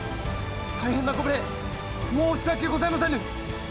大変なご無礼申し訳ございませぬ！